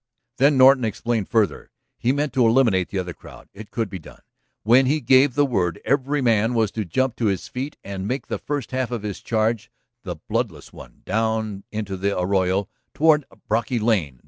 Then Norton explained further. He meant to eliminate the other crowd; it could be done. When he gave the word every man was to jump to his feet and make the first half of his charge the bloodless one down into the arroyo toward Brocky Lane.